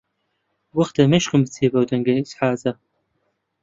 وەختە مێشکم بچێ بەو دەنگە ئیزعاجە.